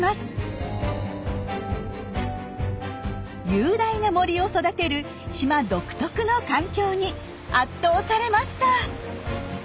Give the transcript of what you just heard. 雄大な森を育てる島独特の環境に圧倒されました。